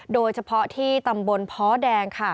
โดยเฉพาะที่ตำบลพแดง